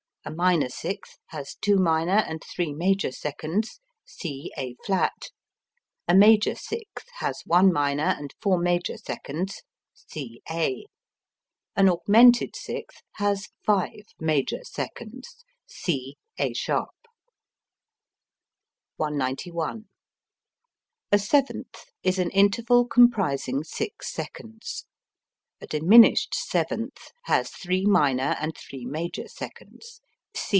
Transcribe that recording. A minor sixth has two minor and three major seconds. C A[flat]. A major sixth has one minor and four major seconds. C A. An augmented sixth has five major seconds. C A[sharp]. 191. A seventh is an interval comprising six seconds. A diminished seventh has three minor and three major seconds.